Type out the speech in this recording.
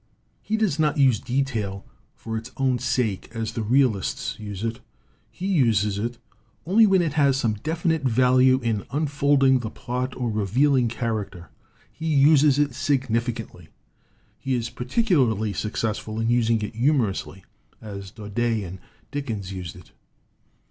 He does not use detail for its own sake, as the realists use it; he uses it only when it has some definite value in unfolding the plot or revealing character. He uses it significantly; he is particularly successful in using it humorously, as Daudet and Dickens used it.